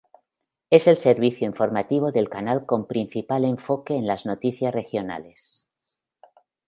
Es el servicio informativo del canal con principal enfoque en las noticias regionales.